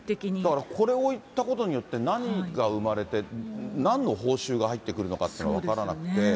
だからこれを置いたことによって、何が生まれて、なんの報酬が入ってくるのかというのが、分からなくて。